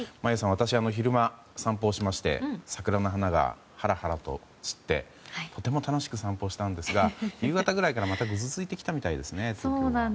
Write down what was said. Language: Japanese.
私、昼間に散歩をしまして桜の花が、はらはらと散ってとても楽しく散歩したんですが夕方ぐらいからぐずついたみたいですね。